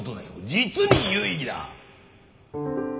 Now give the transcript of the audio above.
実に有意義だ！